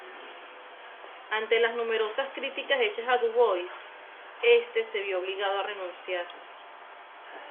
Ante las numerosas críticas hechas a Dubois, este se vio obligado a renunciar.